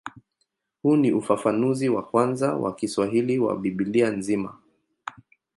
Huu ni ufafanuzi wa kwanza wa Kiswahili wa Biblia nzima.